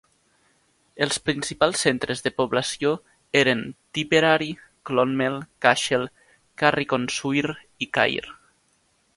Els principals centres de població eren Tipperary, Clonmel, Cashel, Carrick-on-Suir i Cahir.